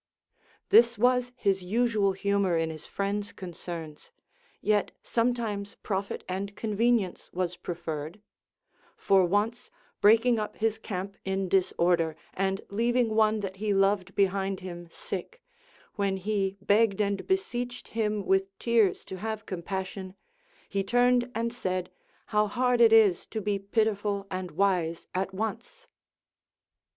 This was his usual humor in his friends' concerns, yet sometimes profit and convenience was preferred ; for once breaking up his camp in disorder, and leaving one that he loved behind him sick, when he begged and beseeched him with tears to have compassion, he turned and said. How hard it is to be pitiful and wise at once